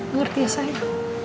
ngerti ya sayang